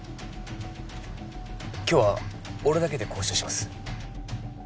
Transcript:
今日は俺だけで交渉します